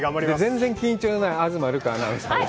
全然緊張のない東留伽アナウンサーです。